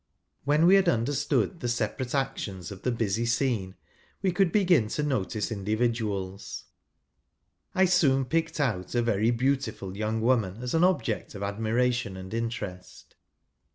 When we had understood the separate actions of the busy scene, we could begin to notice indivi¬ duals. I soon picked out a very beautiful young woman as an object of admiration and | interest.